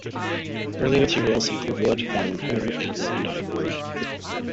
Early materials included wood, bone, horn, antler and ivory.